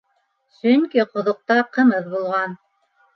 —Сөнки ҡоҙоҡта ҡымыҙ булған.